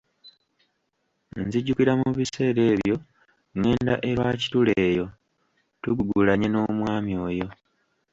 Nzijukira mu biseera ebyo ngenda e Rwakitura eyo, tugugulanye n’omwami oyo.